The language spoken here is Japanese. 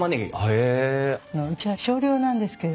へえ。